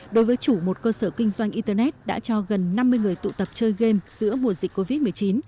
đối với chủ một cơ sở kinh doanh internet đã cho gần năm mươi người tụ tập chơi game giữa mùa dịch covid một mươi chín